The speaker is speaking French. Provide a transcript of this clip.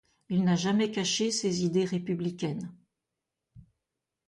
Il n'a jamais caché ses idées républicaines.